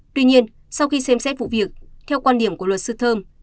tuy nhiên sau khi xem xét vụ việc theo quan điểm của luật sư thơm